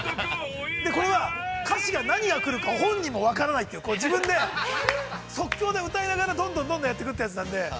◆これは、歌詞が何が来るか、本人も分からないという、自分で、即興で歌いながら、どんどんやっていくというやつなんで。